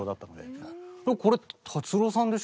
いやこれ達郎さんでしょ？